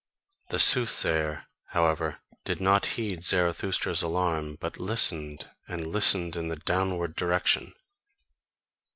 The soothsayer, however, did not heed Zarathustra's alarm, but listened and listened in the downward direction.